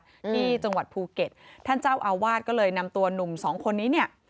ที่จังหวัดภูเก็ตท่านเจ้าอาวาสก็เลยนำตัวหนุ่มสองคนนี้เนี่ย